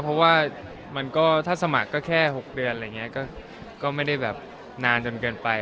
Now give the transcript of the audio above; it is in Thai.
เพราะว่าถ้าสมัครก็แค่๖เดือนไม่ได้แบบนานจนเกินไป